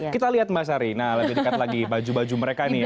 kita lihat mbak sari nah lebih dekat lagi baju baju mereka nih ya